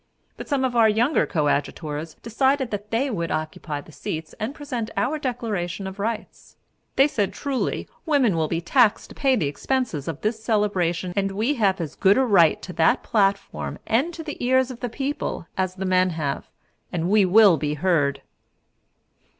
But some of our younger coadjutors decided that they would occupy the seats and present our Declaration of Rights. They said truly, women will be taxed to pay the expenses of this celebration, and we have as good a right to that platform and to the ears of the people as the men have, and we will be heard.